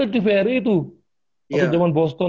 tvri itu waktu jaman boston